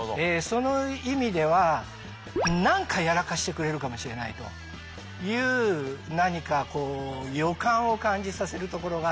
その意味では何かやらかしてくれるかもしれないという何かこう予感を感じさせるところがあって。